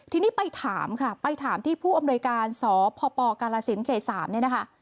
ทีนี้ไปถามค่ะไปถามที่ผู้อำนวยการสพปกาลสินเขต๓เนี่ยนะคะ